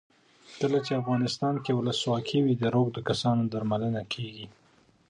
کله چې افغانستان کې ولسواکي وي روږدي کسان درملنه کیږي.